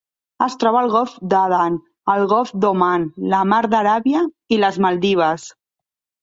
Es troba al Golf d'Aden, el Golf d'Oman, la Mar d'Aràbia i les Maldives.